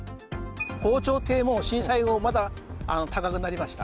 防潮堤も震災後、また高くなりました。